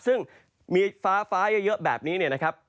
ซึ่งมีฟ้าเยอะแบบนี้เนี่ยนะครับ